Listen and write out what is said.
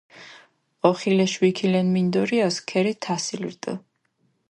ოხილეშ ვიქილენ მინდორიას ქერი თასილი რდჷ.